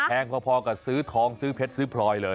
พอกับซื้อทองซื้อเพชรซื้อพลอยเลย